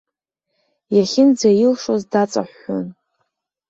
Иахьынӡаилшоз даҵаҳәҳәон.